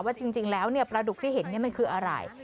ว่าจริงแล้วเนี่ยปลาดุกที่เห็นเนี่ยมันคืออะไร